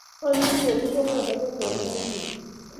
Anonon tebutie noto ketebena inye?